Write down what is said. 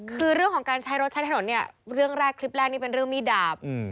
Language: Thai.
คือเรื่องของการใช้รถใช้ถนนเนี่ยเรื่องแรกคลิปแรกนี่เป็นเรื่องมีดดาบ